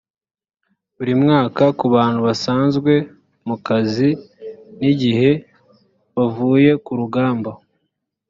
buri mwaka ku bantu basanzwe mu kazi n igihe bavuye kurugamba